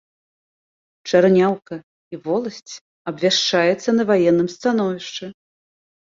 Чарняўка і воласць абвяшчаецца на ваенным становішчы.